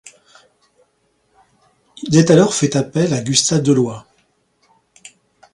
Il est alors fait appel à Gustave Deloye.